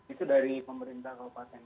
itu dari pemerintah kabupaten